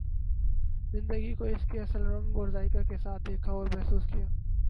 زندگی کو اس کے اصل رنگ اور ذائقہ کے ساتھ دیکھا اور محسوس کیا۔